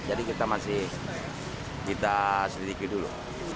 jadi kita masih kita sedikit dulu